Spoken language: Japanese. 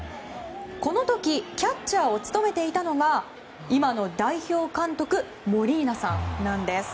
この時キャッチャーを務めていたのが今の代表監督モリーナさんなんです。